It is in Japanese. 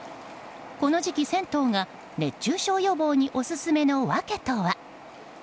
この時期、銭湯が熱中症予防にオススメの訳とは？